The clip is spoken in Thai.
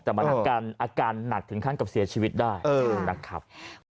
แต่มันอาการหนักถึงขั้นกับเสียชีวิตได้นะครับ